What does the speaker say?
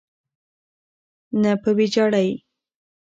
نه په ویجاړۍ.